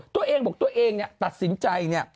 ตัวเองบอกตัวเองตัดสินใจเนี่ย